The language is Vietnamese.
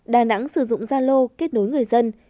đà nẵng sử dụng gia lô kết nối người dân